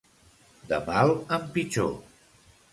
De mal en pitjor.